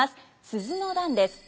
「鈴の段」です。